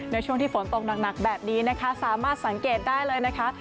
ในช่วงที่ฝนตกหนักแบบนี้นะคะสามารถสังเกตได้เลยนะคะ